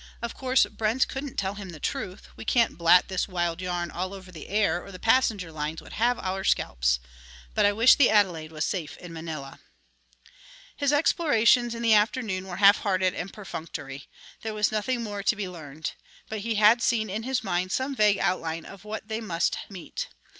Of course Brent couldn't tell him the truth. We can't blat this wild yarn all over the air or the passenger lines would have our scalps. But I wish the Adelaide was safe in Manila." His explorations in the afternoon were half hearted and perfunctory. There was nothing more to be learned. But he had seen in his mind some vague outline of what they must meet.